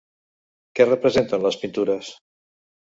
Què representen les pintures?